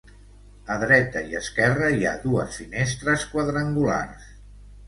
A dreta i esquerra hi ha dues finestres quadrangulars.